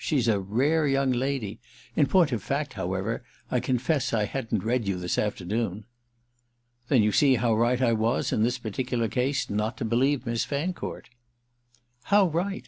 She's a rare young lady! In point of fact, however, I confess I hadn't read you this afternoon." "Then you see how right I was in this particular case not to believe Miss Fancourt." "How right?